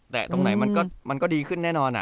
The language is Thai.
แต่ตรงไหนมันก็ดีขึ้นแน่นอน